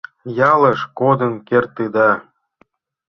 — Ялеш кодын кертыда.